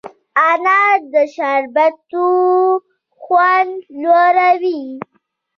انار د شربتونو خوند لوړوي.